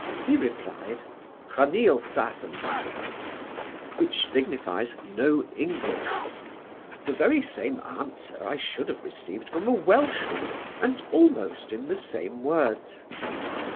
he replied, 'hu niel Sassenagh', which signifies no English: the very same answer I should have received from a Welchman, and almost in the same words.